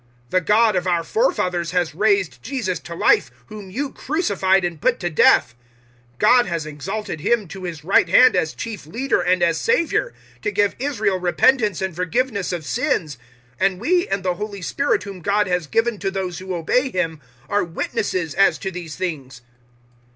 005:030 The God of our forefathers has raised Jesus to life, whom you crucified and put to death. 005:031 God has exalted Him to His right hand as Chief Leader and as Saviour, to give Israel repentance and forgiveness of sins. 005:032 And we and the Holy Spirit whom God has given to those who obey Him are witnesses as to these things."